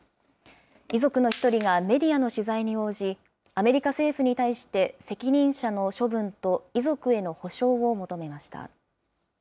遺族の１人がメディアの取材に応じ、アメリカ政府に対して、責任者の処分と遺族への補償を求めました。